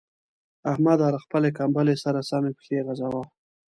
احمده! له خپلې کمبلې سره سمې پښې غځوه.